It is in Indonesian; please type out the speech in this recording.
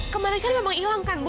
kemarin kan memang hilang kan bu